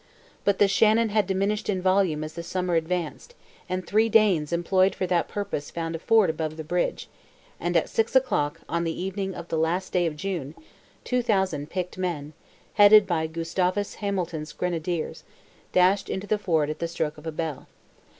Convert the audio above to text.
But the Shannon had diminished in volume as the summer advanced, and three Danes employed for that purpose found a ford above the bridge, and at six o'clock on the evening of the last day of June, 2,000 picked men, headed by Gustavus Hamilton's grenadiers, dashed into the ford at the stroke of a bell.